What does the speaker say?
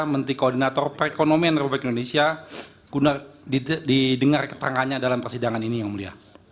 menteri koordinator perekonomian republik indonesia guna didengar keterangannya dalam persidangan ini yang mulia